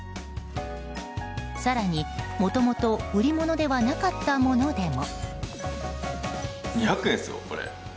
更に、もともと売り物ではなかったものでも。